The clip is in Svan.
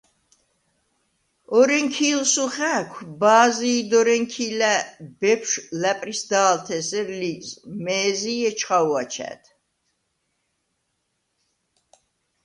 ორენქი̄ლსუ ხა̄̈ქვ ბა̄ზი ი დორენქი̄ლა̈ ბეფშვ ლა̈პრისდა̄ლთ’ ე̄სერ ლიზ მე̄ზი ი ეჩხა̄ვუ აჩა̈დ.